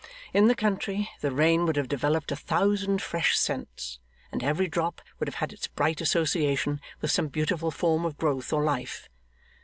In the country, the rain would have developed a thousand fresh scents, and every drop would have had its bright association with some beautiful form of growth or life.